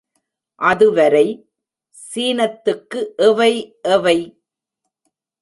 அதுவரை சீனத்துக்கு எவை எவை?